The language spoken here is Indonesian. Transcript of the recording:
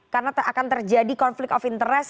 karena akan terjadi conflict of interest